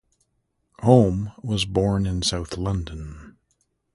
Home was born in South London.